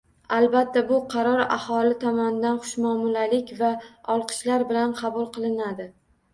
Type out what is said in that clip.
Albatta, bu qaror aholi tomonidan xushmuomalalik va olqishlar bilan qabul qilinadi